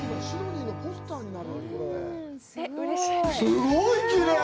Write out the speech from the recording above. すごいきれい。